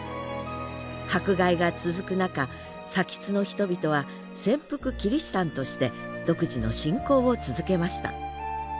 迫害が続く中津の人々は潜伏キリシタンとして独自の信仰を続けました。